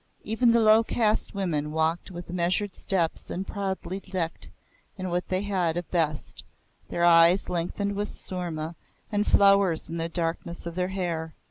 Even the low caste women walked with measured steps and proudly, decked in what they had of best, their eyes lengthened with soorma, and flowers in the darkness of their hair.